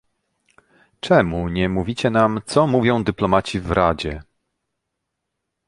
Czemu nie mówicie nam, co mówią dyplomaci w Radzie